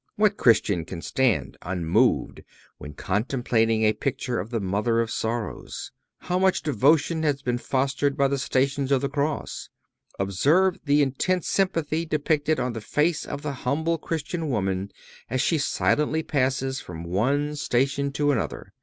What Christian can stand unmoved when contemplating a picture of the Mother of Sorrows? How much devotion has been fostered by the Stations of the Cross? Observe the intense sympathy depicted on the face of the humble Christian woman as she silently passes from one station to another.